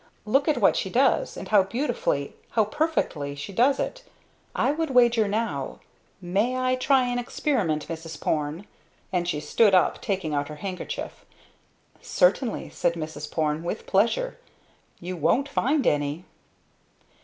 Look at what she does! And how beautifully how perfectly she does it! I would wager now may I try an experiment Mrs. Porne?" and she stood up, taking out her handkerchief. "Certainly," said Mrs. Porne, "with pleasure! You won't find any!"